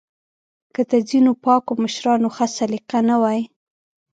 که د ځینو پاکو مشرانو ښه سلیقه نه وای